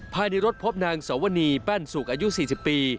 ภายในรถพบนางสวนีแป้นสุกอายุ๔๐ปี